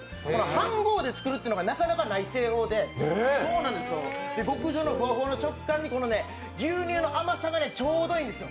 はんごうで作るっていうのがなかなかない製法で、極上のふわふわの食感に牛乳の甘さがちょうどいいんですよ。